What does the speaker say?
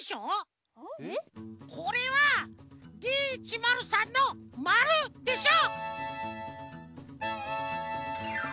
これはＤ１０３の「０」でしょ！